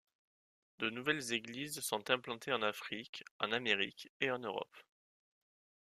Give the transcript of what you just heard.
De nouvelles églises sont implantées en Afrique, en Amérique et en Europe.